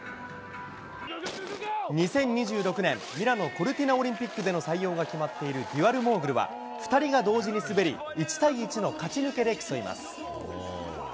２０２６年ミラノ・コルティナオリンピックでの採用が決まっているデュアルモーグルは、２人が同時に滑り、１対１の勝ち抜けで競います。